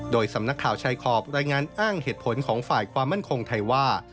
โดยสำนักข่าวชายขอบรายงานอ้างเหตุผลของฝ่ายความมั่นคงไทยว่า